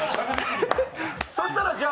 そしたらじゃあ